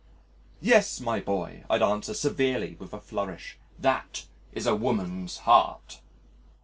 'Yes, my boy,' I answer severely with a flourish, 'That is a woman's heart.'"